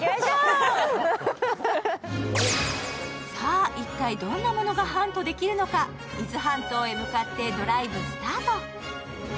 さぁ一体どんなものがハントできるのか伊豆半島へ向かってドライブスタート。